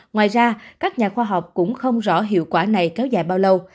ngoài ra các nhà khoa học cũng không rõ hiệu quả này kéo dài bao lâu